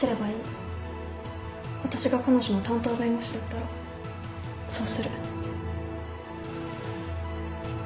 私が彼女の担当弁護士だったらそうする。